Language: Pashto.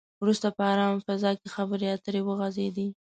وروسته په ارامه فضا کې خبرې اترې وغځېدې.